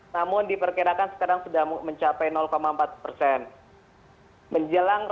namun diperkirakan sekarang sudah mencapai empat persen